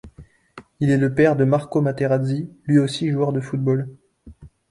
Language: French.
Il est le père de Marco Materazzi, lui aussi joueur de football.